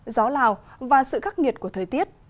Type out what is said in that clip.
gió lào và sự khắc nghiệt của thời tiết